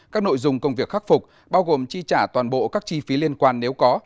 các nội dung công việc khắc phục bao gồm chi trả toàn bộ các chi phí liên quan nếu có